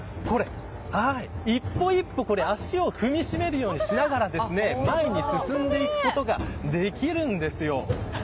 一歩一歩、足を踏みしめるようにしながら前に進んでいくことができるんですよ。